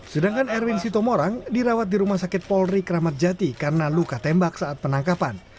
sedangkan erwin sitomorang dirawat di rumah sakit polri kramat jati karena luka tembak saat penangkapan